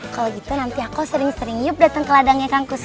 kalau gitu nanti aku sering sering yub dateng ke ladangnya kang kusoy